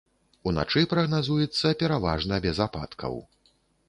Уначы прагназуецца пераважна без ападкаў.